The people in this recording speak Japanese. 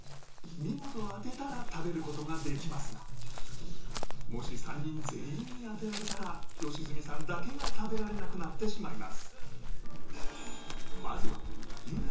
見事当てたら食べる事ができますがもし３人全員に当てられたら良純さんだけが食べられなくなってしまいます